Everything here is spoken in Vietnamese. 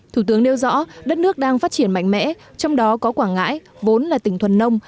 thủ tướng nêu rõ đất nước đang phát triển mạnh mẽ trong đó có quảng ngãi vốn là tỉnh thuần nông